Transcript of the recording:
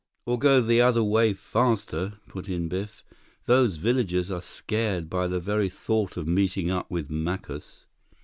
"Or go the other way faster," put in Biff. "Those villagers are scared by the very thought of meeting up with Macus."